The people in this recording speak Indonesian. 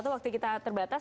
waktu kita terbatas